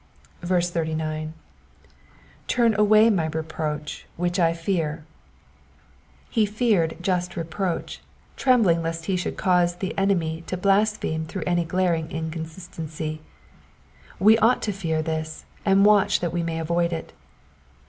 89. ' '•Turn away my reproach which I fea/ry He feared just reproach, trembling lest he should cause the enemy to blaspheme through any glaring inconsistency. We ought to fear this, and watch that we may avoid it.